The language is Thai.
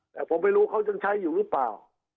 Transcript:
แต่ผมไม่รู้เขายังใช้อยู่หรือเปล่า